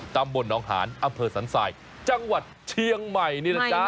กำบลอองหารอำเภอสันสัยจังหวัดเชียงใหม่นี่นะเจ้า